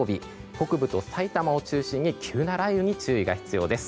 北部と埼玉を中心に急な雷雨に注意が必要です。